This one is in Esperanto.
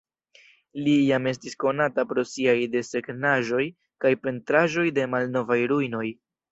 Li jam estis konata pro siaj desegnaĵoj kaj pentraĵoj de malnovaj ruinoj.